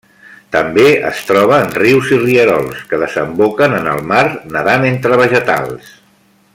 També es troba en rius i rierols que desemboquen en el mar, nedant entre vegetals.